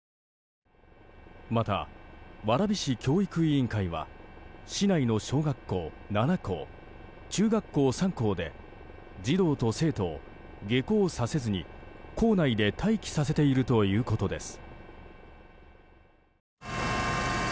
また、蕨市教育委員会は市内の小学校７校中学校３校で児童と生徒を下校させずに校内で待機させているということです。